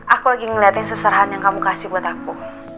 aku lagi ngeliatin seserahan yang kamu kasih buat aku